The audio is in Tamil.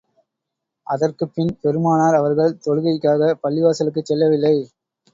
அதற்குப்பின் பெருமானார் அவர்கள் தொழுகைக்காகப் பள்ளிவாசலுக்குச் செல்லவில்லை.